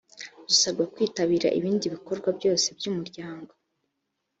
dusabwa kwitabira ibindi bikorwa byose by’umuryango